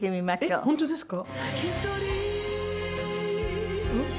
えっ本当ですか？